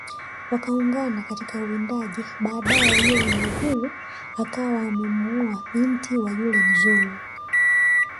Wakaungana katika uwindaji baadae yule mlugulu akawa amemuoa binti wa yule mzulu